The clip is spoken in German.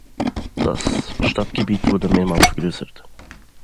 Das Stadtgebiet wurde mehrmals vergrößert.